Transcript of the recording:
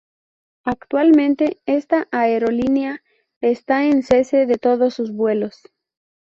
Actualmente esta aerolínea está en cese de todos sus vuelos.